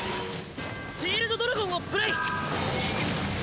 シールドドラゴンをプレイ！